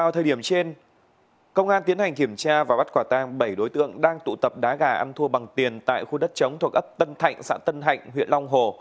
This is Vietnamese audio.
thời điểm trên công an tiến hành kiểm tra và bắt quả tang bảy đối tượng đang tụ tập đá gà ăn thua bằng tiền tại khu đất chống thuộc ấp tân thạnh xã tân hạnh huyện long hồ